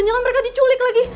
jangan mereka diculik lagi